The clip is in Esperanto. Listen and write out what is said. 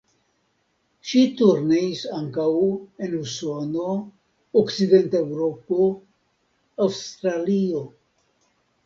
Ŝi turneis ankaŭ en Usono, Okcident-Eŭropo, Aŭstralio.